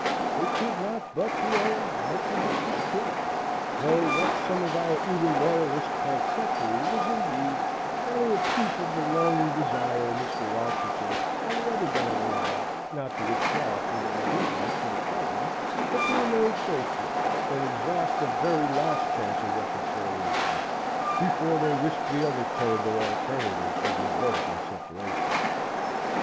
It could not but be owned much of this was true: though what some of our eager Loyalists called treachery was indeed rather a proof of the longing desire Mr. Washington and other gentlemen had, not to withdraw from their allegiance to the Crown, but to remain faithful, and exhaust the very last chance of reconciliation, before they risked the other terrible alternative of revolt and separation.